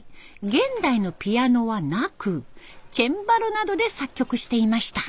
現代のピアノはなくチェンバロなどで作曲していました。